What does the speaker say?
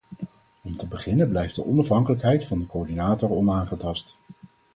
Om te beginnen blijft de onafhankelijkheid van de coördinator onaangetast.